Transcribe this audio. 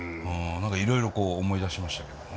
何かいろいろこう思い出しましたけどもね。